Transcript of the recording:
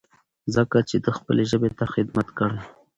ځکه چې ده خپلې ژبې ته خدمت کړی.